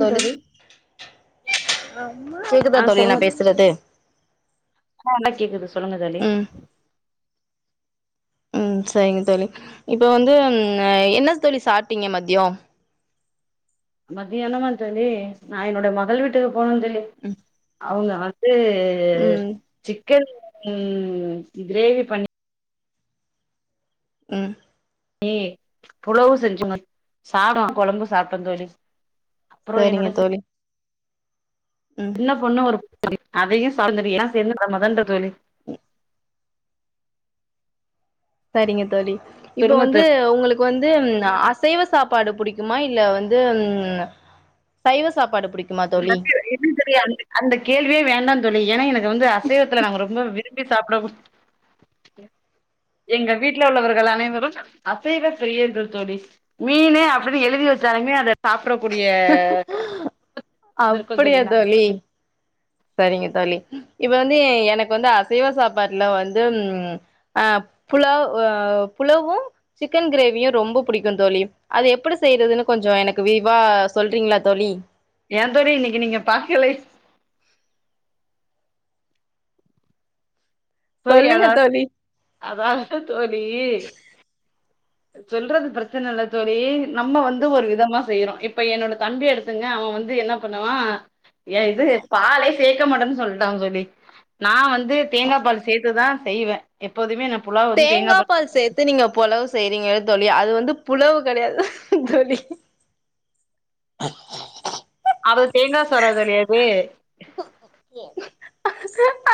தோழி ஆ கேக்குதா தோழி நா சொல்லுங்க தோ பேசுறது ஆ நல்லா கேக்குது சொல்லுங்க தோழி ம் ம் செரிங்க தோழி இப்ப வந்து ம் என்ன தோழி சாப்டிங்க மதியோ மதியானமா தோழி நா என்னுடைய மகள் வீட்டுக்கு போன தோழி அவுங்க து ம் சிக்கன் கிரேவி பண்ணி ம் ஏய் புலாவு செஞ்சுங்க சாதம் கொழம்பு சாப்டே தோழி அப்றோ சேரிங்க என்னோட தோழி ம் சின்ன பொண்ணு ஒரு தோழி அதையே சார்ந்து [inaudible] தோழி ம் செரிங்க தோழி இப்ப சொல்லுங்க வந்து தோழி உங்களுக் இப்ப வந்து அசைவ சாப்பாடு புடிக்குமா இல்ல வந்து உ சைவ சாப்பாடு புடிக் சத்தியா இன்னு செரியா வந்து அந்த கேள்வியே வேண்டா தோழி ஏன்னா எனக்கு வந்து அசைவத்துல நாங்க ரொம்ப விரும்பி சாப்புடு எங்க வீட்ல உள்ளவர்கள் அனைவரும் அசைவ பிரியர்கள் தோழி மீன் அப்டினு எழுதி வச்சாலுமே அதை சாப்பிடக்கூடிய அப்படியா தோழி சரிங்க தோழி இப்ப வந்து எனக்கு வந்து அசைவ சாப்பாட்டுல வந்து ம் அ புலாவ் புலவும் சிக்கன் கிரேவியும் ரொம்ப புடிக்கும் தோழி அது எப்டி செய்யறதுன்னு கொஞ்சோ எனக்கு விரிவா சொல்றீங்ளா தோழி ஏயா தோழி இன்னிக்கி நீங்க பாக்குலை தோழி சொல்லுங்க அதாது தோழி அதாது தோழி சொல்றது பிரச்சன இல்ல தோழி நம்ம வந்து ஒரு விதமா செய்யறோ இப்போ என்னோட தம்பி எடுத்து துங்க அவே வந்து என்ன பண்ணுவா ஏ இது பாலைய சேக்க மாட்டான்னு சொல்லிட்டான் தோழி நா வந்து வந்து தேங்கா பால் சேத்துதா செய்வே எப்போதுமே நா புலாவ் தேங்கா பால் சேத்து நீங்க பொலவு செய்றீங்க தோழி அது வந்து புலவு கெடையாது தோழி [inaudible] [inaudible] அது தேங்கா சதோ தோழி அது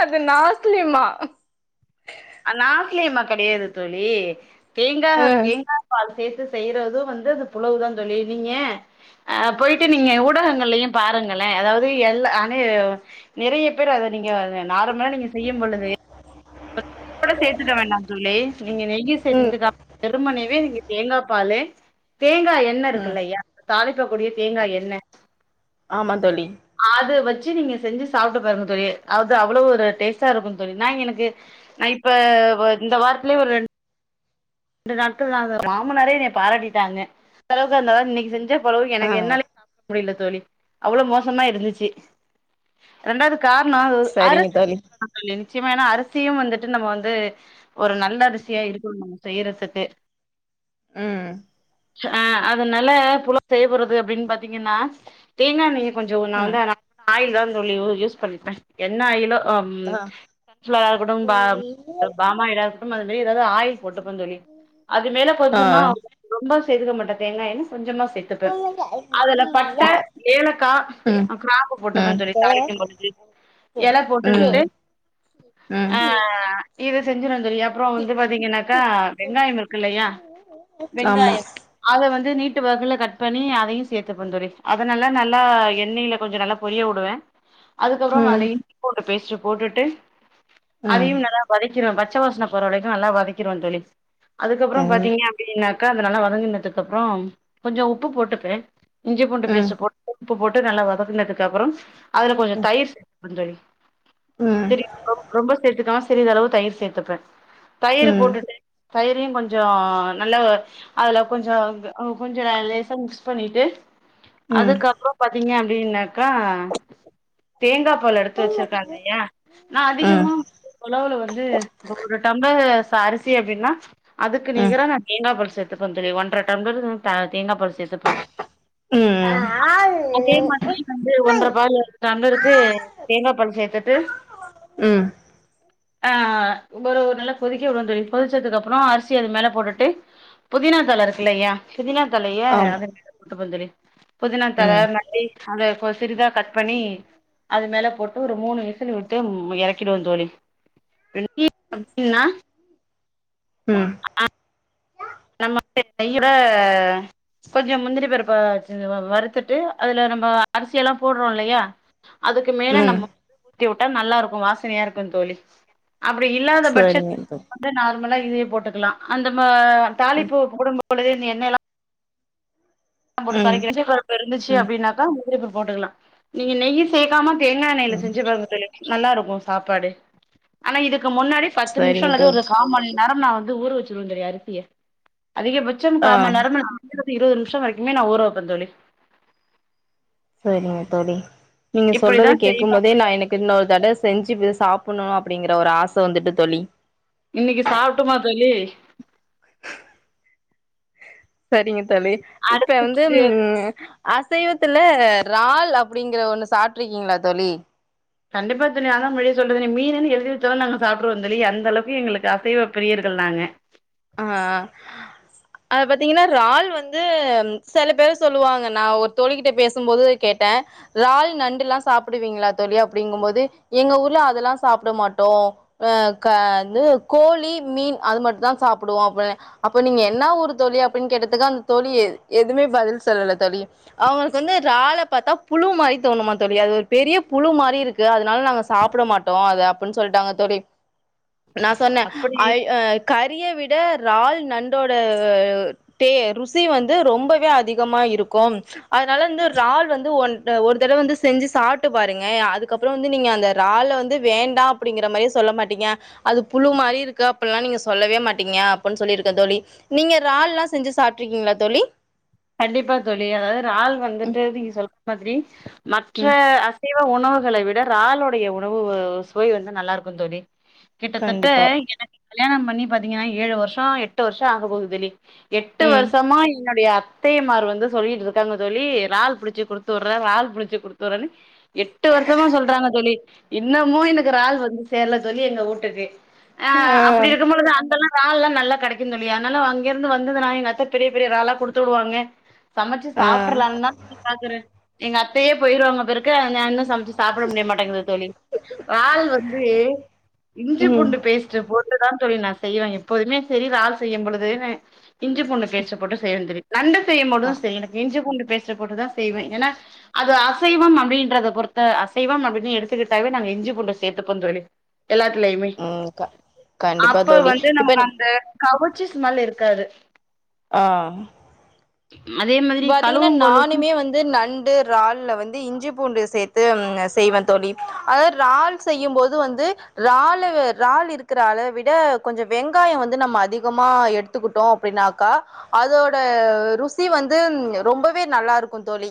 அது நாக்லிமா நாக்லிமா கெடையாது தோழி தேங்கா ஆ தேங்கா பாலு சேத்து செய்றது வந்து அந்த புலவு தா தோழி நீங்க அ போயிட்டு நீங்க ஊடகங்கள்லயும் பாருங்களே அதாவது எல்லா அனை நிறைய பேர் அத நீங்க நார்மலா நீங்க செய்யும் பொழுது நெய்யி கூட சேத்துக்க வேண்டா தோழி நீங்க நெய்யு ம் சேத்துக்க அப் வெருமனவே நீங்க தேங்காய் பால்லு தேங்கா எண்ண ம் இருக்குல்லையா தாளிப்ப கூடிய தேங்கா எண்ண ஆமா தோழி அது வெச்சு நீங்க செஞ்சு சாப்டு பாருங்க தோழி அது அவ்ளோ ஒரு டேஸ்ட்டா இருக்கு தோழி நான் எனக்கு நா இப்ப இந்த வாரத்திலேயே ஒரு ரெண் ரெண்டு நாட்கள் நா அது மாமனாரே என்ய பாராட்டிட்டாங்க அந்தளவுக்கு அந்த இன்னைக்கு செஞ்ச பொளவு ஆ எனக்கு என்னாலயே முடில தோழி அவ்ளோ மோசமா இருந்துச்சி ரெண்டாது காரணோ சரிங்க அரசியு தோழி சொல்லலா நிச்சயமா எனா அரிசியும் வந்துட்டு நம்ம வந்து ஒரு நல்ல அரிசியா இருக்கணும் நம்ம செய்றத்துக்கு ஆ அ அதுனால்ல புல செய்ய போறது அப்படின்னு பாத்தீங்கன்னா தேங்காண்ணெய் கொஞ்சோ நா ம் வந்து ஆயில் தா இந்த [unintelligible] யூஸ் பண்ணிப்பே என்ன ஆயிலோ அம் ஆ [unintelligible] ம் பாமயிலாருக்கட்டு அது மேரி ஏதாவது ஆயில் போட்டுபே தோழி அது மேல ஆ கொஞ்சமா ரொம்ப சேதுக்க மாட்ட தேங்காயெண்ண கொஞ்சமா சேத் ப்பே அதுல பட்ட ஏலக்கா ம் கிராம்பு போட்டுப்பே ம் தோழி தாலிக்கும்பொழுது இல போட்டு குட்டு அ இத செஞ்சுருவே தோழி அப்றோ வந்து பாத்தீங்கன்னாக்கா வெங்காயோ இருக்குல்லையா ஆமா வெங்காயோ அத வந்து நீட்டு வாக்குல கட் பண்ணி அதையு சேத்துப்பே தோழி அதனால நல்லா எண்ணெய்யில கொஞ்சோ நல்லா பொரிய விடுவே [inaudible] அதுக்கப்புறோ ம் அதையு இஞ்சி பூண்டு பேஸ்ட்டு போட்டுட்டு ம் அதையு நல்லா வதக்கி க்கிறோ பச்ச வாசன போற வரைக்கு நல்லா வதக்கிறுவே தோழி அதுக்கப்புறோ ம் பாத்தீங்க அப் க்கின்னாக்கா அதனால வதங்கனதுக்கு அப்புறோ கொஞ்சோ உப்பு போட்டுபே இஞ்சி பூண்டு ம் பேஸ்ட் போட்டு உப்பு போட்டு நல்லா வதக்குனதுக்கு அப்றோ அதுல கொஞ்சோ தயிர் சேக்கணு தோழி ம் ம் செரி ரொம் ரொம்ப சேத்துக்காம சிறதளவு தயிர் சேத்துப்பே தயிர் ம் போட்டுட்டு தயிரையு கொஞ்சோ நல்லா அதுல கொஞ்சோ கொஞ்சோ லேசா மிக்ஸ் பண்ணிட்டு அதுக்கப்புறோ பாத்தீங்க அப்டின்னாக்கா தேங்கா பால் எடுத்து வச்சிருக்காங்க இல்லையா நா ம் அதிகமா புலவுல வந்து ஒரு டம்புலர் இப்ப அரிசி அப்பிடின்னா அதுக்கு ம் நீகரா நா தேங்காப்பால் சேத் ப்ப தோழி ஒன்றரை டம்புளர் தேங்காய் பால் சேத்துப்பே அ அ அதே மாதிரியே வந்து ஒன்ற பாலு டம்ளருக்கு தேங்காப்பால் சேத்துட்டு ம் ஆ இன்னொரு நல்ல கொதி க்க உடனு தோழி கொதிச்சதுக்கு அப்புறோ அரிசி அது மேல போட்டுட்டு புதினா தல இருக்குல்லைங்க புதினா தலையே ஆமா அதன் மேல போட்டுப்ப தோழி புதினா தல ம் மல் லி அத சிறிதா கட் பண்ணி அது மேல போட்டு ஒரு மூணு விசில் விட்டு ம் எறக்கிடுவே தோழி [unintelligible] அப்டின்னா ம் நம்ம [inaudible] தயிர கொஞ்சோ முந்திரி பருப்பு ச வறுத்துட்டு அதுல நம்ம அரிசி எல்லா போட்றோ இல்லையா அதுக்கு மேல ம் நம்ம ஊத்தி உட்டா நல்லா இருக்கு வாசனையா இருக்கு தோழி அப்படி இல்லாத சரிங்க பட்சத்துல தோழி நம்ம வந்து நார்மலா இதே போட்டுக்கலா அந்த நம்ப ம் தாலிப்பூ குடும்ப கூடவே நீ எண்ணெயெல்லா போட்டு ம் தாலிக்க [unintelligible] இருந்துச்சு ம் அப்டின்னாகா முந்திரி பருப்பாபோட்டுக்கலா நீங்க நெயி சேக்காம தேங்கா எண்ணெயில செஞ்சு பாருங்க தோழி நல்லா இருக்கும் சாப்பாடு ஆனா இதுக்கு முன்னாடி பத்து நிமிஷோ சரிங்க அல்லது ஒரு தோழி காமனி நேரோ நா வந்து ஊர வச்சிருவே தோழி அரிசியே அதிக பட் ச்சோ ஆ கா மணிநேரமா [unintelligible] இருவது நிமிஷோ வரைக்குமே நா ஊறவப்பே தோழி செரிங்க தோழி நீங்க இப்டிதா சொல்றத கேக்கும் செய்வே போதே நா இன்னைக் இன்னொரு தடவ செஞ்சு இது சாப்பண்ணு அப்பிடிங்கிற ஒரு ஆச வந்துட்டு தோழி இன்னைக்கி சாப்ட்டுமா தோழி சரிங்க தோழி இப்ப வந்து அடுத்து ம் அசைவத்துல றால் அப்டிங்கிற ஒண்ணு சாப்ட்டுருக்கீங்களா தோழி கண்டிப்பா தோழி நா தா முன்னாடியே சொல்றிந்தனே மீனுன் எழுதி வச்சாலு நாங்க சாப்றுவோந் தோழி அந்த அளவுக்கு எங்களுக்கு அசைவ பிரியர்கள் நாங்க ஆ ஆ அத பாத்தீங்கன்னா றால் வந்து செல பேர் சொல்லுவாங்க நா ஒரு தோழி கிட்ட பேசும்போது கேட்டே றால் நண்டுலா சாப்புடுவீங்களா தோழி அப்டிங்கம் போது எங்க ஊர்ல அதல்லா சாப்ட மாட்டோ அ க வந்து கோழி மீன் அது மட்டு தா சாப்டுவோ அப் அப்ப நீங்க என்னா ஊரு தோழி அப்டின் கேட்டதுக்கு அந்த தோழி எதுமே பதில் சொல்லல தோழி அவுங்களுக்கு வந்து றால பாத்தா புழு மாரி தோணுமா தோழி அது ஒரு பெரிய புழு மாரி இருக்கு கு அதுனால நாங்க சாப்ட மாட்டோ அத அப்புன் சொல்ட்டாங்க தோழி நா சொன்னே அப்படி அய் அ கறிய விட றால் நண்டோட டே ருசி வந்து ரொம்பவே அதிகமா இருக்கும் அதுனால வந்து றால் வந்து ஒன் ஒரு தடவ வந்து செஞ்சு சாப்ட்டு பாருங்க அதுக்கப் கப்பறோ வந்து நீங்க அந்த றால வந்து வேண்டா அப்டிங்கிற மாரியே சொல்ல மாட்டீங்க அது புழு மாரி இருக்கு அப்பல்லா நீங்க சொல்லவே மாட் டிங்க அப்புன் சொல்லிருக்கே தோழி நீங்க றால்லா செஞ்சு சாப்ட்ருக்கீங்களா தோழி கண்டிப்பா தோழி அதாவது றால் ம் வந்துட்டு நீங்க சொல் மாதிரி மற்ற ம் அசைவ உணவுகளை விட றாலுடைய உணவு வ சுவை வந்து நல்லாருக்கு தோழி கிட்டத்தட்ட கண்டிப்பா எனக்கு கல்யாணம் பண்ணி பாத்திங்கன்னா ஏழு வர்ஷோ எட்டு வர்ஷோ ஆக போகுது தோழி எட்டு ம் வர்ஷமா என்னுடைய அ அத்தையமார் வந்து சொல்லிட்டு இருக்காங்க தோழி றால் புடுச்சு குடுத்து வுர்றே றால் புடிச்சு குடுத்து வுர்றேனு எட்டு வருஷமா சொல்றாங்க தோழி இன்னமு எனக்கு றால் வந்து சேர்ல தோழி எங்க ஊட்டுக்கு ஆ அப்டி இருக்கும் பொழுது அந்தல்லா றால்லா நல்லா கெடைக்கு தோழி அதுனால அங்க இருந்து வந்ததுனா எங்கத்த பெரிய பெரிய றாலா குடுத்து வுடுவாங்க சமச்சு ஆ சாப்ட்றலான்தா தோழி பாக்குறே எங்க அத்தையே போயிருவாங்க பொருக்கு நா இன்னு சமச்சு சாப்ட முடிய மாட்டேங்குது தோழி றால் வந்து இஞ்சி ம் பூண்டு பேஸ்ட்ட போட் இப்டிதா தோழி நா செய்வே எப்போதுமே செரி றால் செய்யம் பொழுது நா இஞ்சி பூண்டு பேஸ்ட்ட போட்டு செய்வே தோழி நண்டு செய்யும் ஆ பொழுது சரி எனக்கு இஞ்சி பூண்டு பேஸ்ட்ட போட்டுதா செய்வே ஏனா அது அசைவம் அப்டின்றத பொறுத்த அசைவம் அப்டின்னு எடுத்துக்கிட்டாவே நாங்க இஞ்சி பூண்ட சேத்துப்போ தோழி எல்லாத்துலயுமே ம் க கண்டிப்பா அப்ப தோழி வந்து இப்ப நமக்கு அந்த கவுச்சி ஸ்மெல் இருக்காது ஆ அதே மா பாத்தீங்கன்னா நானுமே வந்து நண் டு றால்ல வந்து இஞ்சி பூண்டு சேத்து செய்வே தோழி அதாவது றால் செய்யும்போது வந்து றாலு றால் இருக்கிற அளவ விட கொஞ்ச வெங்காயோ வந்து நம்ம அதிகமாக எடு த்துகிட்டோ அப்டினாக்கா அதோட ருசி வந் து ரொம்பவே நல்லாருக்கு தோழி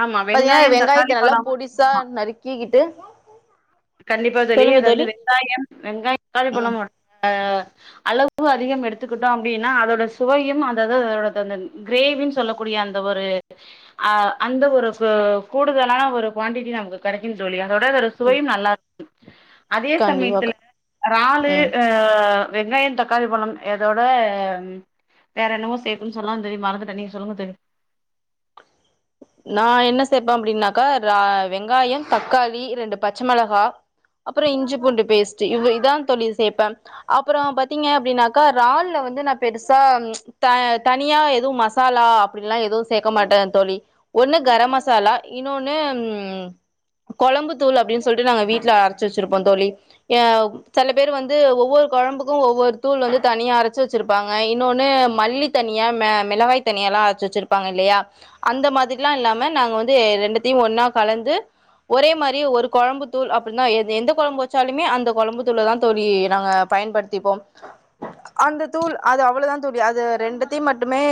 ஆமா பைய வெங்காயம் வெங்காயத்த தக்காளி நல்லா பழோ பொடிசா நறுக்கிக்கிட்டு கண்டிப்பா தோழி அது வந்து வெங்காயம் வெங்காய தக்காளி ம் பழம் அ அளவு அதிகம் எடுத்துக்கிட்டோ அப்டினா அதோட சுவையும் அதது அதததந் கிரேவின் சொல்லக்கூடிய அந்த ஒரு அ அந்த ஒரு ப கூடுதலான ஒரு குவாண்டிட்டி நமக்கு கெடைக்கும் தோழி அதோட அதோட ம் சுவையும் ந அதே சமயத்துல கண்டிப்பாக றாலு ம் அ வெங்காய தக்காளி பழம் எதோட வேற என்னமோ சேக்கணு சொல்லா திடீர்ன் மறந்துட்டே நீங்க சொல்லுங்க தோழி நா என்ன சேப்பே அப்டின்னாக்கா ரா வெங்காயம் தக்காளி ரெண்டு பச்ச மிளகா அப்றோ இஞ்சி பூண்டு பேஸ்ட்டு இவ இதா தோழி சேப்பே அப்றோ பாத்தீங்க அப்டினாக்கா றால்ல வந்து நா பெருசா த தனியா எதுவு மசாலா அப்டின்ல்லா எது சேக்க மாட்டே தோழி ஒண்ணு கரம் மசாலா இன்னொன்னு ம் கொழம்பு தூள் அப்டி சொல்ட்டு நாங்க வீட்ல அரைச்சு வச்சிருப்போ தோழி அ செல பேர் வந்து ஒவ்வொரு கொழம்புக்கு ஒவ்வொரு தூள் வந்து தனியா அரச்சு வச்சிருப்பாங்க இன்னொன்னு மல்லி த் தனியா மெ மிளகாய் தனியாலா அரச்சு வச்சிருப்பாங்க இல்லயா அந்த மாதிரல்லா இல்லாம நாங்க வந்து ரெண்டுத்தயு ஒன்னா கலந்து ஒரே மாரி ஒரு கொழம்பு தூள் அப்டினா எ எந்த கொழம்பு வச்சாலுமே அந்த கொழம்பு தூளதா தோழி நாங்க பயன்படுத் திப்போம் அந்த தூள் அது அவ்ளவதா தோழி அது ரெண்டுத்தையு மட்டுமே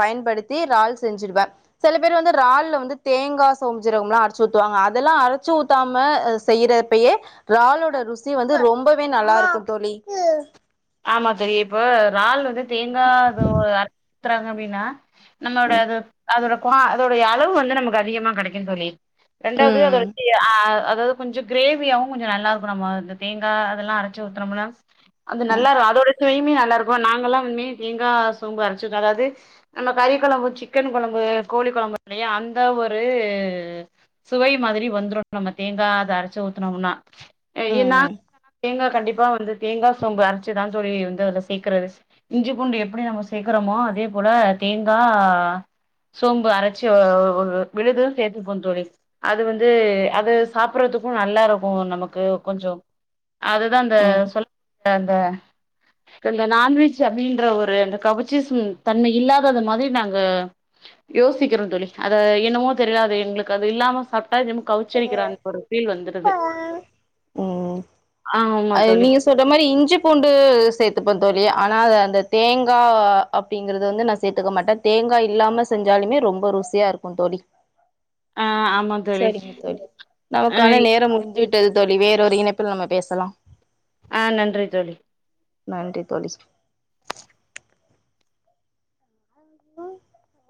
பயன்படுத்தி றால் செஞ்சுருவே செல பேர் வந்து றால்ல வந்து தேங்கா சோம் சீரகம்லா அரச்சு ஊத்துவாங்க அதெல்லா அரச்சு ஊத்தாம செய்யறப்பயே றாலோட ருசி வந்து ரொம்பவே நல்லா இருக்கு தோழி ஆமா தோழி இப்போ றால் வந்து தேங்கா இதுவு அரச் ஊத்றாங்க அப்டின்னா நம்மோட அது அதோட கொ அதோடய அளவு வந்து நமக்கு அதிகமா கிடைக்குந்தோழி ரெண்டாவது அ ம் [unintelligible] அதாது கொஞ்சோ கிரேவியாவு கொஞ்சோ நல்லாருக்கு நம்ம இந்த தேங்கா அதெல்லா அரச்சு ஊத்துனம்னா அது ம் நல்லா இரு அதோட சுவயுமே நல்லாருக்கு நாங்கல்லா இன்மே தேங்கா சோம்பு அரச்ஊத் அதாவ்து நம்ம கறி குழம்பு சிக்கன் குழம்பு கோழி குழம்பு இல்லையா அந்த ஒரு சுவை மாதிரி வந்துரு நம்ம தேங்கா அத அரைச்சு ஊத்தனோம்னா எ நா ம் [inaudible] தேங்கா கண்டிப்பா வந்து தேங்கா சோம்பு அரச்சுதா தோழி வந்து அதுல சேக்கறது இஞ்சி பூண்டு எப்டி நம்ம சேக்கறமோ அதே போல தேங்கா சோம்பு அரச்சு ஒ ஒரு விழுது சேத்துப்போ தோழி அது வந்து அது சாப்றதுக்கு நல்லாருக்கு நமக்கு கொஞ்சோ அதுதா அந்த ம் [inaudible] அந்த இந்த நான்வெஜ் அப்டின்ற ஒரு அந்த கவுச்சி ஸ் தன்மை இல்லாதாத மாரி நாங்க யோசிக்கிறோ தோழி அத என்னவோ தெரில எங்களுக்கு அது இல்லாம சாப் ட்டா எனமோ கவுச்ச அடிக்கிற அந்த ஒரு ஃபீல் வந்துருது அது நீங்க சொல்ற ந்த மாரி இஞ்சி பூண்டு சேத்துப்ப தோழி ஆனா அது அந்த தேங்கா அப்டிங்கறத வந்து நா சேத்துக்க மாட்டே தேங்காய் இல்லாம செஞ்சாலுமே ரொம்ப ருசியா இருக்கு தோழி ஆ ஆமா தோழி சரிங்க தோழி ஆ நமக்கான நேரோ முடிச்சு ட்டது தோழி வேற ஒரு இணைப்பில நம்ம பேசலா ஆ நன்றி தோழி நன்றி தோழி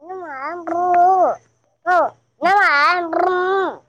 ம் ஆம்புறு ஓ என்னம்மா [inaudible]